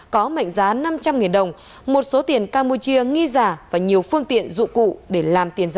có mệnh giá năm trăm linh đồng một số tiền campuchia nghi giả và nhiều phương tiện dụng cụ để làm tiền giả